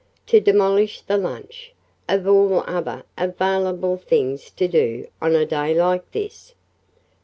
To demolish the lunch, of all other available things to do, on a day like this!"